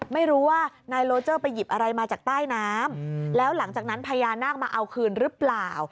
ไม่รู้ว่านายโลเจอร์ไปหยิบอะไรมาจากใต้น้ำแล้วหลังจากนั้นพญานาคมาเอาคืนหรือเปล่า